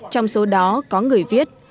trong số đó có người viết